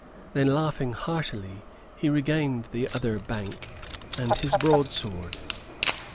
Then, laughing heartily, he regained the other bank and his broadsword.